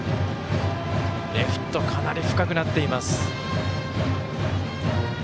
レフト、かなり深くなっています。